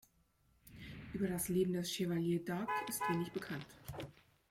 Über das Leben des Chevalier d'Arc ist wenig bekannt.